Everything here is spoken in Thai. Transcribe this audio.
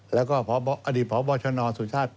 แล้วก็อดีตพบชนสุชาติ